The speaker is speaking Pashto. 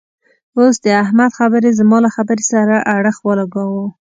اوس د احمد خبرې زما له خبرې سره اړخ و لګاوو.